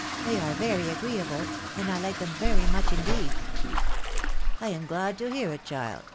They are very agreeable, and I like them very much indeed." " I am glad to hear it, child